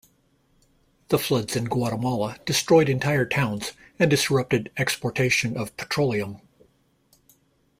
The floods in Guatemala destroyed entire towns and disrupted exportation of petroleum.